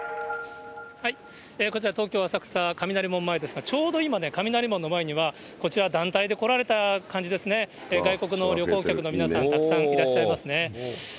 こちら、東京・浅草雷門前ですが、ちょうど今ね、雷門の前には、こちら、団体で来られた感じですね、外国の旅行客の皆さん、たくさんいらっしゃいますね。